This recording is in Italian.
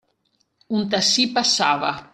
Un tassi passava.